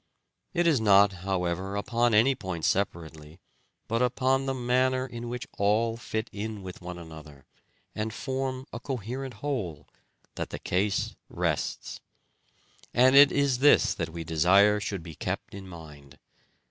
It is not, however, upon any point separately, but upon the manner in which all fit in with one another, and form a coherent whole, that the case rests ; and it is this that we desire should be kept in mind.